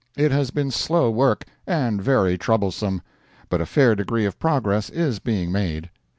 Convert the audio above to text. It has been slow work, and very troublesome, but a fair degree of progress is being made.